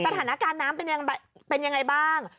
สถานการณ์น้ำเป็นยังไงบ้าง